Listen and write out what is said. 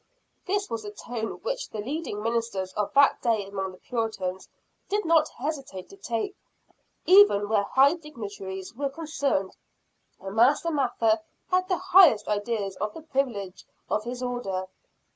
This was a tone which the leading ministers of that day among the Puritans, did not hesitate to take, even where high dignitaries were concerned and Master Mather had the highest ideas of the privilege of his order.